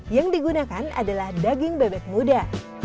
yang digunakan adalah daging bebek muda